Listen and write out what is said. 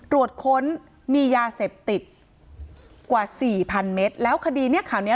ตรวจค้นมียาเสพติดกว่าสี่พันเมตรแล้วคดีเนี้ยข่าวเนี้ย